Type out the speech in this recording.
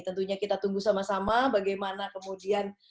tentunya kita tunggu sama sama bagaimana kemudian